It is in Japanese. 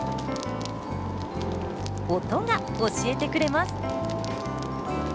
音が教えてくれます。